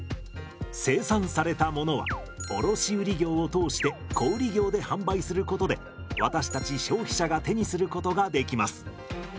生産されたものは卸売業を通して小売業で販売することで私たち消費者が手にすることができます。